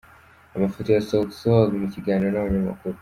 Amafoto ya Sauti Sol mu kiganiro n'abanyamakuru.